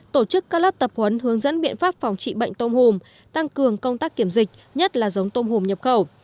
tổ chức các lớp tập huấn hướng dẫn biện pháp phòng trị bệnh tôm hùm tăng cường công tác kiểm dịch nhất là giống tôm hùm nhập khẩu